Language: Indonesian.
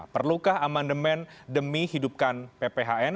perlukah amandemen demi hidupkan pphn